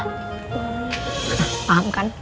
nah paham kan